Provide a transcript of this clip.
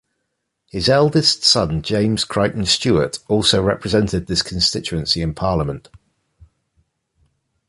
His eldest son James Crichton-Stuart also represented this constituency in Parliament.